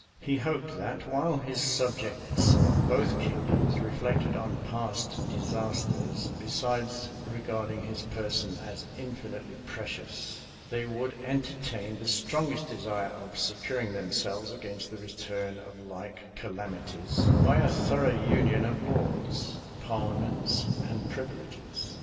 He hoped that, while his subjects of both kingdoms reflected on past disasters, besides regarding his person as infinitely precious, they would entertain the strongest desire of securing themselves against the return of like calamities, by a thorough union of laws, parliaments, and privileges.